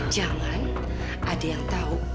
jangan ada yang tahu